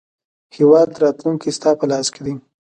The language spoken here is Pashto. د هیواد راتلونکی ستا په لاس کې دی.